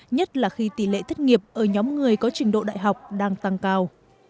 nhất là khi tỷ lệ thất nghiệp ở nhóm người có trình độ đại học đang tăng cao